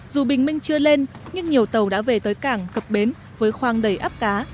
dù bình minh chưa lên nhưng nhiều tàu đã về tới cảng cập bến với khoang đầy áp cá